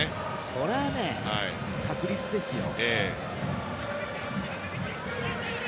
それはね、確率ですよ。